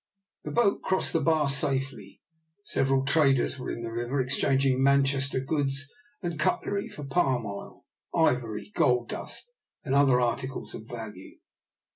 The boat crossed the bar safely. Several traders were in the river, exchanging Manchester goods and cutlery for palm oil, ivory, gold dust, and other articles of value.